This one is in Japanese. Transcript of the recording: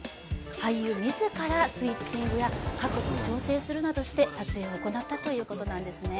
俳優自らスイッチングや角度の調整をするなどして撮影を行ったということなんですね。